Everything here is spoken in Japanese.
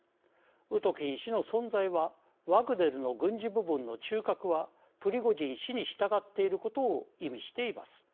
ウトキン氏の存在はワグネルの軍事部門の中核はプリゴジン氏に従っていることを意味しています。